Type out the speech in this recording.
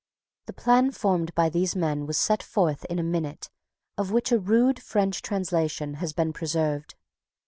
The plan formed by these men was set forth in a minute of which a rude French translation has been preserved.